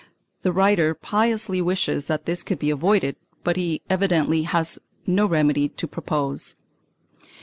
The writer piously wishes that this could be avoided, but he evidently has no remedy to propose.